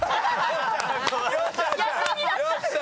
よっしゃ！